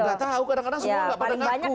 ga tau kadang kadang semua ga pada ngaku